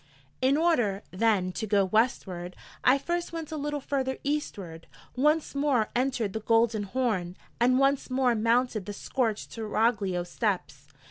In order, then, to go Westward, I first went a little further Eastward, once more entered the Golden Horn, and once more mounted the scorched Seraglio steps.